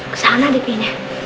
kesana deh p nya